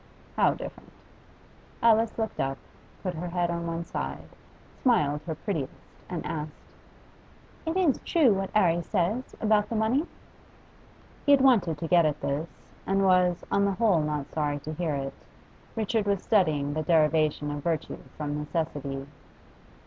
'How different?' Alice looked up, put her head on one side, smiled her prettiest, and asked 'Is it true, what 'Arry says about the money?' He had wanted to get at this, and was, on the whole, not sorry to hear it. Richard was studying the derivation of virtue from necessity.